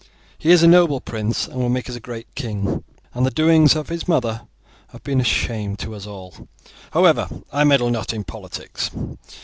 He is a noble prince and will make us a great king, and the doings of his mother have been a shame to us all. However, I meddle not in politics.